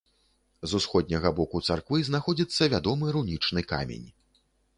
З усходняга боку царквы знаходзіцца вядомы рунічны камень.